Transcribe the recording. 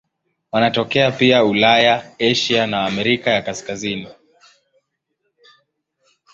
Wanatokea pia Ulaya, Asia na Amerika ya Kaskazini.